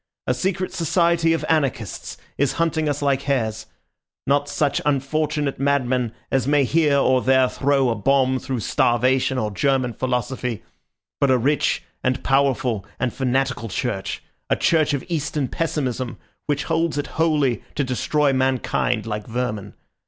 A secret society of anarchists is hunting us like hares; not such unfortunate madmen as may here or there throw a bomb through starvation or German philosophy, but a rich and powerful and fanatical church, a church of eastern pessimism, which holds it holy to destroy mankind like vermin.